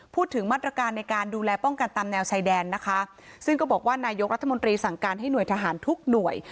พูดถึงมาตรการในการดูแลป้องกันตามแนวชายแดนนะคะซึ่งก็บอกว่านายกรัฐมนตรีสั่งการให้หน่วยทหารทุกหน่วย